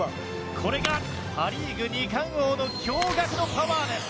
これがパ・リーグ二冠王の驚愕のパワーです。